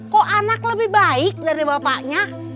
kok anak lebih baik dari bapaknya